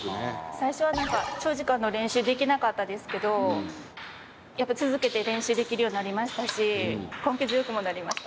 最初は何か長時間の練習できなかったですけどやっぱ続けて練習できるようになりましたし根気強くもなりました。